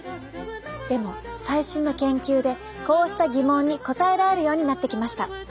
でも最新の研究でこうした疑問に答えられるようになってきました。